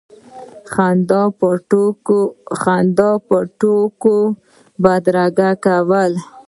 خندا به د ټوکو بدرګه کوله.